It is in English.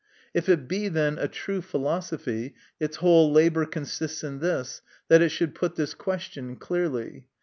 If it be, then, a true philosophy, its whole labour consists in this, that it should put this question clearly.